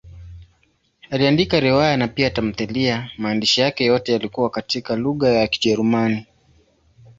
Aliandika riwaya na pia tamthiliya; maandishi yake yote yalikuwa katika lugha ya Kijerumani.